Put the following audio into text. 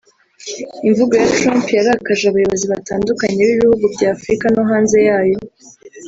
Imvugo ya Trump yarakaje abayobozi batandukanye b’ibihugu bya Afurika no hanze yayo